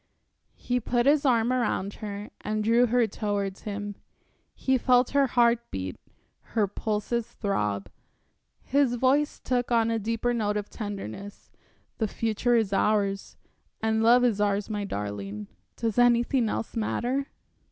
He put his arm around her and drew her towards him. He felt her heart beat, her pulses throb; his voice took on a deeper note of tenderness. "The future is ours, and love is ours my darling, does anything else matter?"